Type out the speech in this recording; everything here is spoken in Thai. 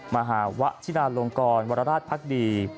มหาวะชิลาลงกรวรราชพักดี